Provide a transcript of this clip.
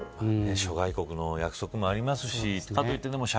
諸外国の約束もあります